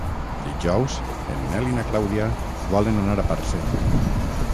Dijous en Nel i na Clàudia volen anar a Parcent.